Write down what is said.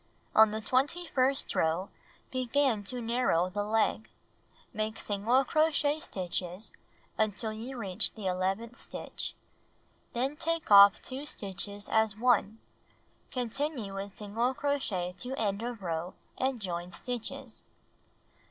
On the twenty first row, begin to narrow the leg. Make single crochet stitches until you reach the eleventh stitch. Then take off 2 stitches as one. Continue with single crochet to end of row and join stitches.